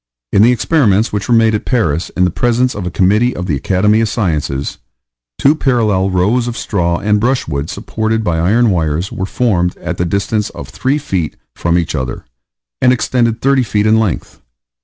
In the experiments which were made at Paris in the presence of a committee of the Academy of Sciences, two parallel rows of straw and brushwood supported by iron wires, were formed at the distance of 3 feet from each other, and extended 30 feet in length.